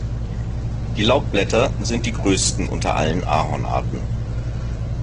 Die Laubblätter sind die größten unter allen Ahornarten.